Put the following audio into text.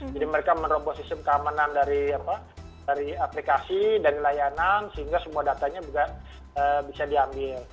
jadi mereka merobos sistem keamanan dari aplikasi dari layanan sehingga semua datanya juga bisa diambil